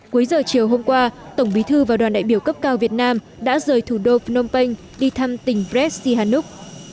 cuối giờ chiều hôm qua tổng bí thư và đoàn đại biểu cấp cao việt nam đã rời thủ đô phnom penh đi thăm tỉnh brexihanuk